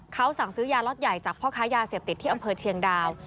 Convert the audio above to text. เขาสั่งซื้อยาล็อตใหญ่จากพ่อค้ายาเสพติดที่อำเภอเชียงดาว